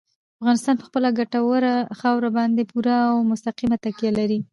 افغانستان په خپله ګټوره خاوره باندې پوره او مستقیمه تکیه لري.